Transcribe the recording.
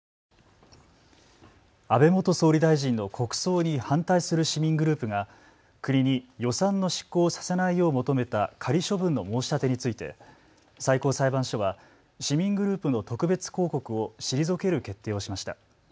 安倍元総理大臣の国葬に反対する市民グループが国に予算の執行をさせないよう求めた仮処分の申し立てについて最高裁判所は市民グループの特別抗告を退ける決定をしました。